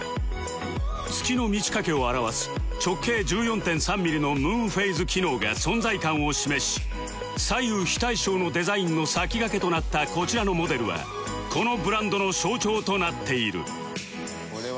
月の満ち欠けを表わす直径 １４．３ ミリのムーンフェイズ機能が存在感を示し左右非対称のデザインの先駆けとなったこちらのモデルはこのブランドの象徴となっている